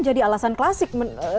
jadi alasan klasik